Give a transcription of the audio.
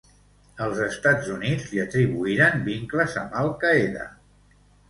Els Estats Units li atribuïren vincles amb Al-Qaeda.